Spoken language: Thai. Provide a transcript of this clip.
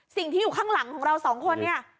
อยู่ข้างหลังของเราสองคนเนี่ย